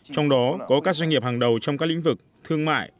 trong đó có các doanh nghiệp hàng đầu trong các lĩnh vực thương mại